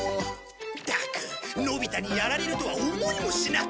ったくのび太にやられるとは思いもしなかったぜ。